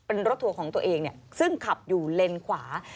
เป็นรถทัวร์ของตัวเองซึ่งขับอยู่เลนขวา